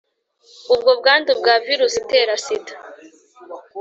ubwo bwandu. Bwa virusi itera sida